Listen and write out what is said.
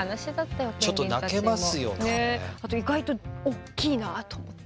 あと意外と大きいなと思って。